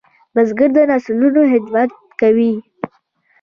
بزګر د نسلونو خدمت کوي